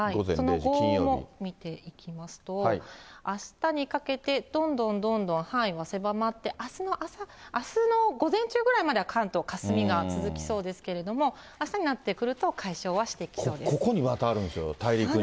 その後見ていきますと、あしたにかけて、どんどんどんどん、範囲は狭まって、あすの朝、あすの午前中ぐらいまでは関東、かすみが続きそうですけれども、あすになってくると、ここにまたあるんですよ、大陸に。